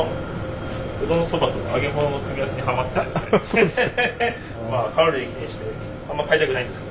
そうですか。